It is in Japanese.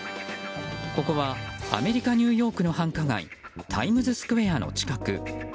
ここはアメリカ・ニューヨークの繁華街タイムズスクエアの近く。